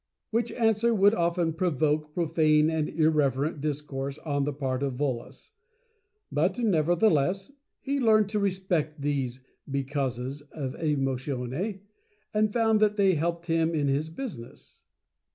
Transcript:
which answer would often provoke profane and irreverent discourse on the part of Volos. But, nevertheless, he learned to respect these "be causes" of Emotione, and found that they helped him in Jiis business.